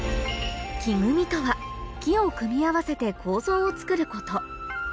木組みとは木を組み合わせて構造を造ること